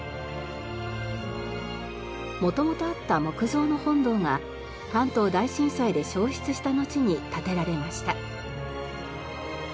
元々あった木造の本堂が関東大震災で焼失したのちに建てられました。